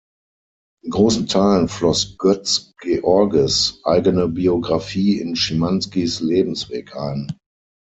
In großen Teilen floss Götz Georges eigene Biografie in Schimanskis Lebensweg ein.